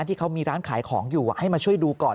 ที่เขามีร้านขายของอยู่ให้มาช่วยดูก่อน